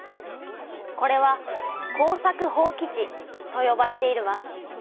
これは耕作放棄地とよばれているわ。